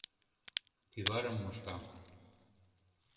— Кӱварым мушкам...